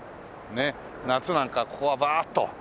夏なんかここはバーッと自転車でね。